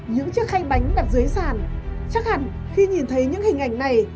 những chiếc khay bánh đặt dưới sàn chắc hẳn khi nhìn thấy những hình ảnh này